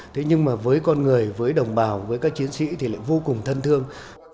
thế nhưng mà với con người với đồng bào với các chiến sĩ thì lại vô cùng thân thương